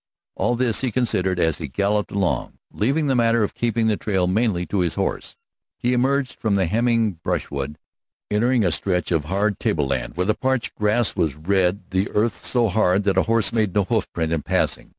All this he considered as he galloped along, leaving the matter of keeping the trail mainly to his horse. He emerged from the hemming brushwood, entering a stretch of hard tableland where the parched grass was red, the earth so hard that a horse made no hoofprint in passing.